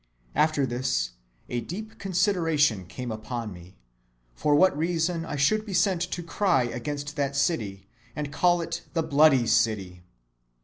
After this a deep consideration came upon me, for what reason I should be sent to cry against that city, and call it The bloody city!